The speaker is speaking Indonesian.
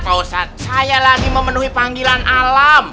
pak ustadz saya lagi memenuhi panggilan alam